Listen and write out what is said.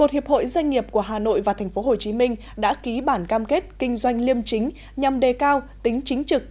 một hiệp hội doanh nghiệp của hà nội và tp hcm đã ký bản cam kết kinh doanh liêm chính nhằm đề cao tính chính trực